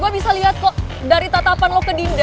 gue bisa liat kok dari tatapan lo ke dinda